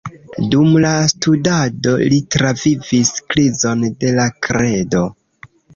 Dum la studado li travivis krizon de la kredo.